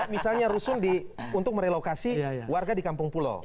misalnya rusun untuk merelokasi warga di kampung pulau